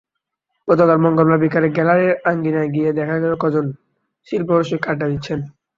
গতকাল মঙ্গলবার বিকেলে গ্যালারির আঙিনায় গিয়ে দেখা গেল কজন শিল্পরসিক আড্ডা দিচ্ছেন।